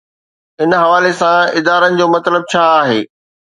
ان حوالي سان ادارن جو مطلب ڇا آهي؟